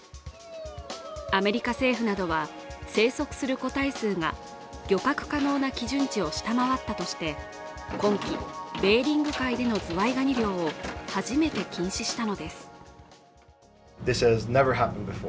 アメリカ政府などは生息する個体数が漁獲可能な基準値を下回ったとして、今季ベーリング海でのズワイガニ漁を初めて禁止したのです。